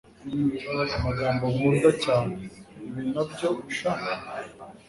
Amagambo nkunda cyane: “Ibi nabyo… sha